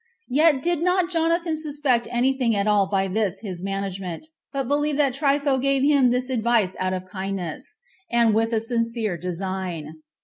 2. Yet did not Jonathan suspect any thing at all by this his management, but believed that Trypho gave him this advice out of kindness, and with a sincere design.